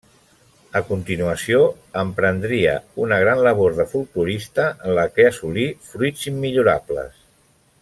A continuació emprendria una gran labor de folklorista, en la que assolí fruits immillorables.